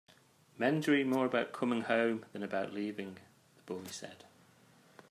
"Men dream more about coming home than about leaving," the boy said.